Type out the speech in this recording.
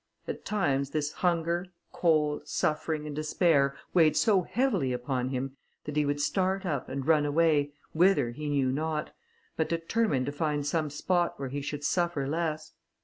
At times this hunger, cold, suffering, and despair weighed so heavily upon him, that he would start up, and run away, whither he knew not, but determined to find some spot where he should suffer less.